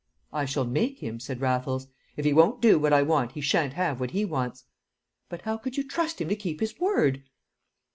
"I shall make him," said Raffles. "If he won't do what I want he shan't have what he wants." "But how could you trust him to keep his word?"